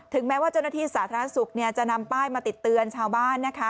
แม้ว่าเจ้าหน้าที่สาธารณสุขจะนำป้ายมาติดเตือนชาวบ้านนะคะ